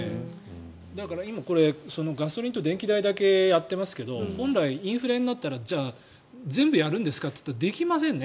だからこれガソリン代と電気代だけやってますけど、本来インフレになったらじゃあ全部やるんですかと言ったらできませんね。